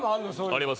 あります。